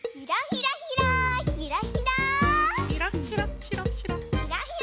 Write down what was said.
ひらひらひら。